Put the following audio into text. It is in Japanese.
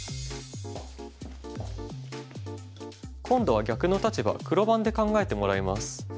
今度は逆の立場黒番で考えてもらいます。